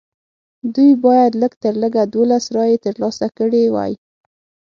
دوی باید لږ تر لږه دولس رایې ترلاسه کړې وای.